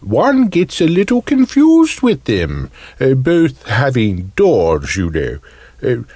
"One gets a little confused with them both having doors, you know.